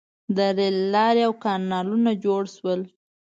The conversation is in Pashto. • د رېل لارې او کانالونه جوړ شول.